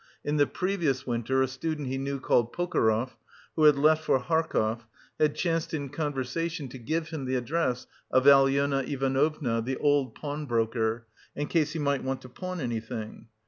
In the previous winter a student he knew called Pokorev, who had left for Harkov, had chanced in conversation to give him the address of Alyona Ivanovna, the old pawnbroker, in case he might want to pawn anything.